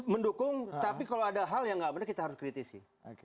mendukung tapi kalau ada hal yang tidak benar kita harus kritisi